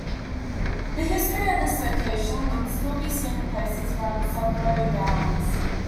The history of this location can still be seen in places around Sudbury Downs.